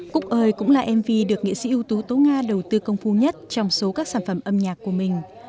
cúc ơi cũng là mv được nghệ sĩ ưu tú tố nga đầu tư công phu nhất trong số các sản phẩm âm nhạc của mình